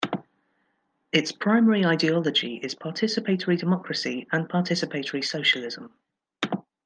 Its primary ideology is participatory democracy and participatory socialism.